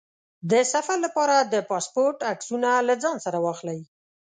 د سفر لپاره د پاسپورټ عکسونه له ځان سره واخلئ.